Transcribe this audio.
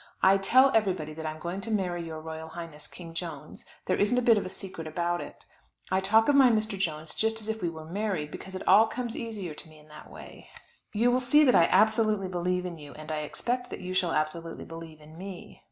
I tell everybody that I'm going to marry your royal highness, king Jones; there isn't a bit of a secret about it. I talk of my Mr. Jones just as if we were married, because it all comes easier to me in that way. You will see that I absolutely believe in you and I expect that you shall absolutely believe in me.